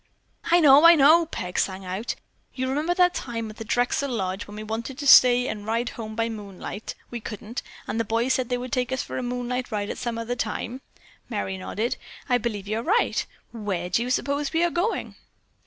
"I know! I know!" Peg sang out. "You remember that time at the Drexel Lodge when we wanted to stay and ride home by moonlight, we couldn't, and the boys said they would take us for a moonlight ride at some other time." Merry nodded. "I believe you're right. Where do you suppose we are going?"